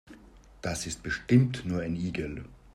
Das ist bestimmt nur ein Igel.